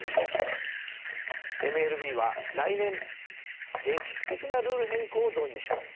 ＭＬＢは来年歴史的なルール変更を導入します。